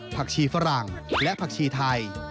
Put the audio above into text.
ผักชีฝรั่งและผักชีไทย